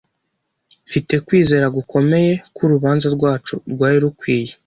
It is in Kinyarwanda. Mfite kwizera gukomeye ko urubanza rwacu rwari rukwiye.